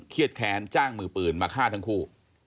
แค้นจ้างมือปืนมาฆ่าทั้งคู่